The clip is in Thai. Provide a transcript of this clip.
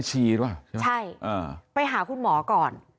ใช่ไปหาคุณหมอก่อน